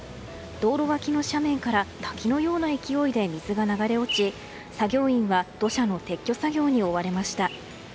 道路脇の斜面から滝のような勢いで水が流れ落ち作業員は土砂の撤去作業に追われました。